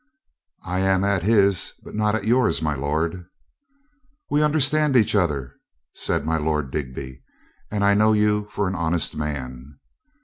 "I am at his, but not at yours, my lord." "We understand each other," said my Lord Dig by, "and I know you for an honest man."